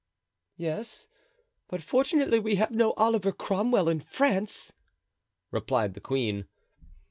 "Yes; but fortunately we have no Oliver Cromwell in France," replied the queen.